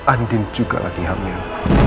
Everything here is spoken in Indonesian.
andin juga lagi hamil